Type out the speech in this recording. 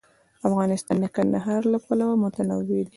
افغانستان د کندهار له پلوه متنوع دی.